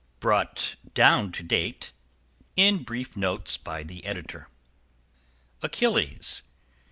_ Brought down to date in brief Notes by the Editor. ACHILLES.